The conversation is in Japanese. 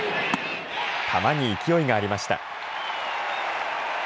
球に勢いがありました。